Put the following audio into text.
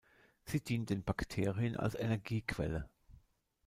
Sie dient den Bakterien als Energiequelle.